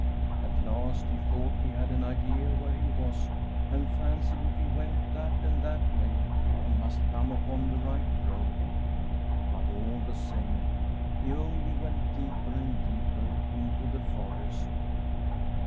At last he thought he had an idea where he was, and fancied if he went that and that way he must come upon the right road ; but all the same, he only went deeper and deeper into the forest.